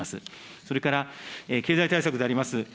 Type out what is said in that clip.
それから、経済対策であります。